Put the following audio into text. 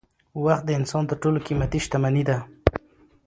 وخت د انسان تر ټولو قیمتي شتمني ده